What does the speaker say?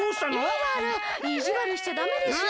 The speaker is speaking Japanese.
イララいじわるしちゃダメでしょ。